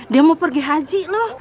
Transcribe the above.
dia mau pergi haji loh